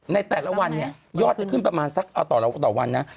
ในแต่ละวันเนี่ยยอดจะขึ้นประมาณสักต่อวันนะ